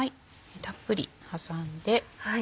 たっぷり挟んで。